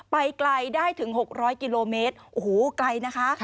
ไปไกลได้ถึง๖๐๐กิโลเมตรโอ้โหไกลนะคะ